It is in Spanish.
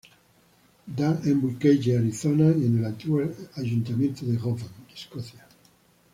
Dan en Buckeye, Arizona y en el antiguo ayuntamiento de Govan, Escocia.